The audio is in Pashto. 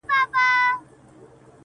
صدقه دي تر تقوا او تر سخا سم!